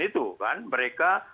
itu kan mereka